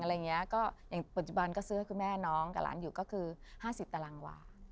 อะไรอย่างนี้ก็อย่างปัจจุบันก็ซื้อให้คุณแม่น้องกับร้านอยู่ก็คือ๕๐ตารางวา